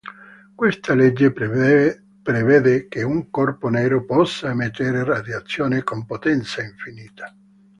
Questa legge prevede che un corpo nero possa emettere radiazione con potenza infinita.